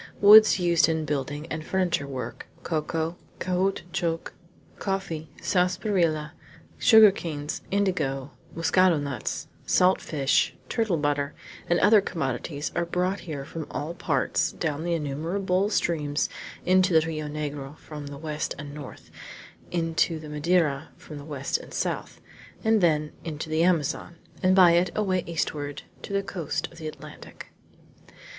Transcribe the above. Woods used in building and furniture work, cocoa, caoutchouc, coffee, sarsaparilla, sugar canes, indigo, muscado nuts, salt fish, turtle butter, and other commodities, are brought here from all parts, down the innumerable streams into the Rio Negro from the west and north, into the Madeira from the west and south, and then into the Amazon, and by it away eastward to the coast of the Atlantic.